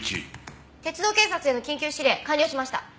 鉄道警察への緊急指令完了しました。